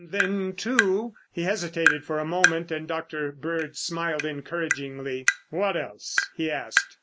Then, too " He hesitated for a moment and Dr. Bird smiled encouragingly. "What else?" he asked.